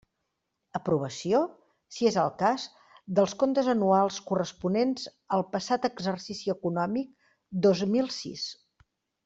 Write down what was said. Aprovació, si és el cas, dels comptes anuals corresponents al passat exercici econòmic, dos mil sis.